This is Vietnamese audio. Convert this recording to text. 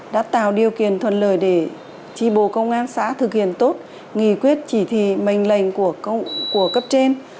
đã tạo điều kiện thuận lời để chi bộ công an xã thực hiện tốt nghỉ quyết chỉ thị mệnh lệnh của cấp trên